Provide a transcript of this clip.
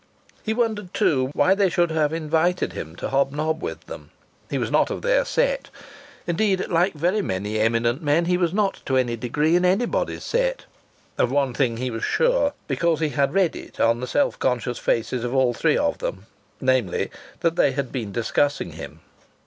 He wondered, too, why they should have invited him to hob nob with them. He was not of their set. Indeed, like many very eminent men, he was not to any degree in anybody's set. Of one thing he was sure because he had read it on the self conscious faces of all three of them namely, that they had been discussing him.